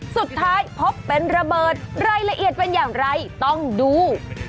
สุดท้ายพบเป็นระเบิดรายละเอียดเป็นอย่างไรต้องดู